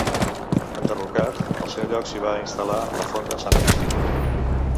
Enderrocat, al seu lloc s'hi va instal·lar la Fonda Sant Agustí.